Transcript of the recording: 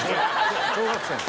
小学生。